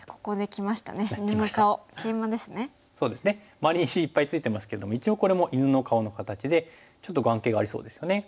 周りに石いっぱいついてますけども一応これも犬の顔の形でちょっと眼形がありそうですよね。